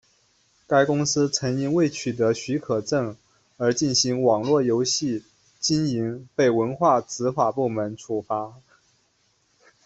该公司曾因未取得许可证而进行网络游戏经营被文化执法部门处罚。